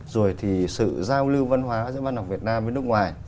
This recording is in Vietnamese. rồi thì sự giao lưu văn hóa giữa văn học việt nam với nước ngoài